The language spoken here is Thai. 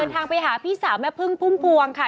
ทางไปหาพี่สาวแม่พึ่งพุ่มพวงค่ะ